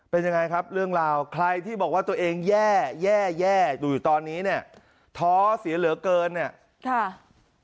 เป็นยังไงครับเรื่องราวใครที่บอกว่าตัวเองแย่แย่แย่อยู่ตอนนี้เนี่ยท้อเสียเหลือเกินเนี่ยค่ะ